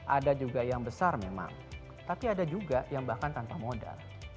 ada juga yang besar memang tapi ada juga yang bahkan tanpa modal